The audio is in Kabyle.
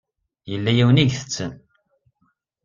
Yella yiwen i itetten.